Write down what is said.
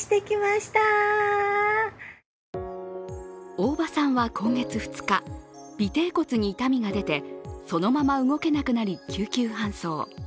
大場さんは今月２日尾てい骨に痛みが出てそのまま動けなくなり救急搬送。